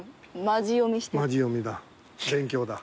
マジ読みだ。